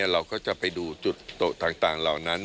เราก็จะไปดูจุดโต๊ะต่างเหล่านั้น